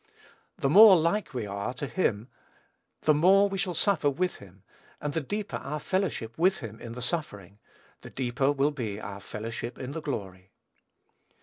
The more like we are to him, the more we shall suffer with him; and the deeper our fellowship with him in the suffering, the deeper will be our fellowship in the glory.